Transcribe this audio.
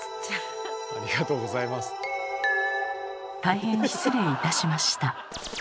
大変失礼いたしました。